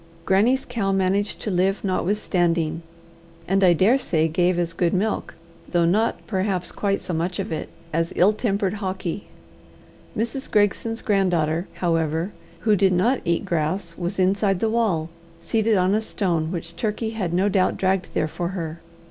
Grannie's cow managed to live notwithstanding, and I dare say gave as good milk, though not perhaps quite so much of it, as ill tempered Hawkie. Mrs. Gregson's granddaughter, however, who did not eat grass, was inside the wall, seated on a stone which Turkey had no doubt dragged there for her.